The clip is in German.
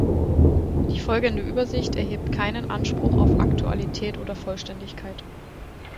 Die folgende Übersicht erhebt keinen Anspruch auf Aktualität oder Vollständigkeit